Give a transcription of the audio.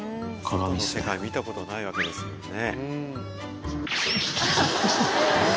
外の世界見たことないわけですもんね。